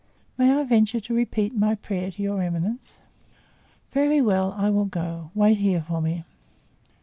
"May I venture to repeat my prayer to your eminence?" "Very well; I will go. Wait here for me."